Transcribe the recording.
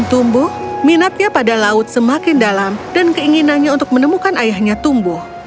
semakin tumbuh minatnya pada laut semakin dalam dan keinginannya untuk menemukan ayahnya tumbuh